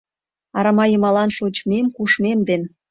Арама йымалан шочмем-кушмем ден